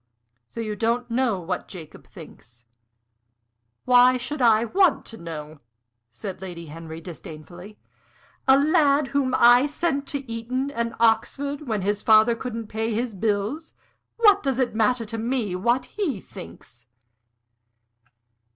"So you don't know what Jacob thinks?" "Why should I want to know?" said Lady Henry, disdainfully. "A lad whom I sent to Eton and Oxford, when his father couldn't pay his bills what does it matter to me what he thinks?"